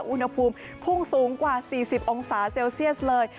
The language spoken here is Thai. อุณหภูมิพุ่งสูงกว่า๔๐องศาเซลเซียสเลย